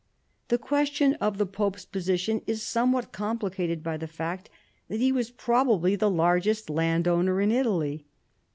The question of the pope's position is somewhat complicated by the fact that he was probably the largest landowner in Ital}''.